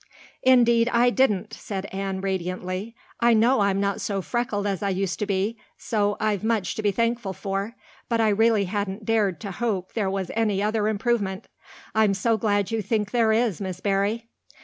"Indeed I didn't," said Anne radiantly. "I know I'm not so freckled as I used to be, so I've much to be thankful for, but I really hadn't dared to hope there was any other improvement. I'm so glad you think there is, Miss Barry."